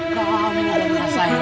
kamu nyalahkan saya